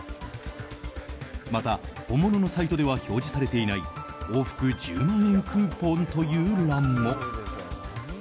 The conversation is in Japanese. また、本物のサイトでは表示されていない往復１０万円クーポンという欄も。